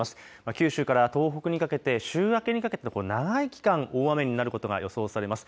九州から東北にかけて週明けにかけて長い期間、大雨になることが予想されます。